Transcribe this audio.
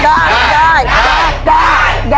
ยังเหลือเวลาทำไส้กรอกล่วงได้เยอะเลยลูก